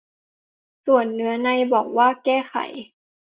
ส่วนเนื้อในบอกว่า "แก้ไข"